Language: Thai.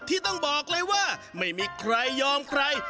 ที่ต้องบอกเลยว่าไม่มีใครยอมใคร